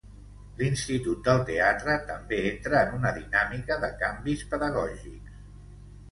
L'Institut del Teatre també entra en una dinàmica de canvis pedagògics.